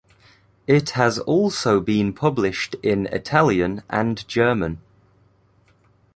It has also been published in Italian and German.